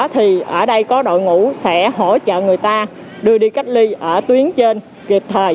thì ở đây có đội ngũ sẽ hỗ trợ người ta đưa đi cách ly ở tuyến trên kịp thời